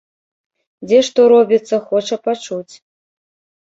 Дзе што робіцца, хоча пачуць.